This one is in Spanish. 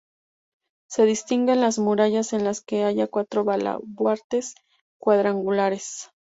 Se distinguen las murallas en las que hay cuatro baluartes cuadrangulares.